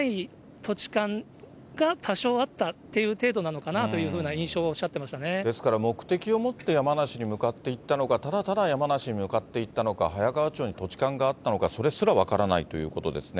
土地勘が多少あったという程度なのかなというですから、目的を持って山梨に向かっていったのか、ただただ山梨に向かっていったのか、早川町に土地勘があったのか、それすら分からないということですね。